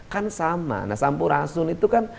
kan sama nah sampurasun itu kan